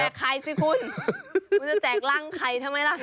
แจกไข่สิคุณคุณจะแจกรังไข่ทำไมล่ะ